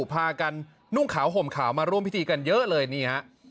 พากันนุ่งขาวห่มขาวมาร่วมพิธีกันเยอะเลยนี่ฮะ